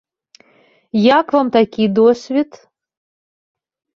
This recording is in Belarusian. Як вам такі досвед?